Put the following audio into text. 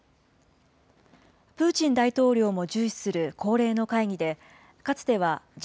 プーチン大統領も重視する恒例の会議で、かつてはＧ７